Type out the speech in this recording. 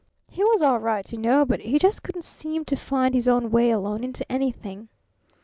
He was all right, you know but he just couldn't seem to find his own way alone into anything.